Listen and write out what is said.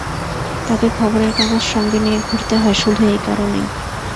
তাঁকে খবরের কাগজ সঙ্গে নিয়ে ঘুরতে হয় শুধু এই কারণেই।